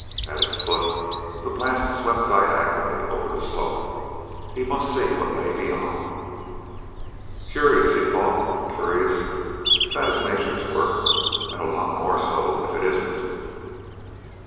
At its foot the blast swept diagonally over the slope. He must see what lay beyond.... "Curious," he thought; "curious if that is nature's work and a lot more so if it isn't."